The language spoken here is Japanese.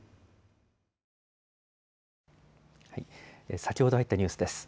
先ほど入ったニュースです。